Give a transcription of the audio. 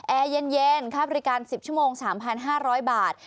แอร์เย็นค่าบริการ๑๐ชั่วโมง๓๕๐๐บาท